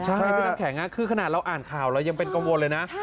ใช่พี่น้ำแข็งคือขนาดเราอ่านข่าวเรายังเป็นกังวลเลยนะ